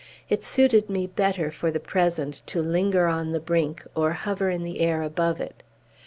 It suited me better, for the present, to linger on the brink, or hover in the air above it.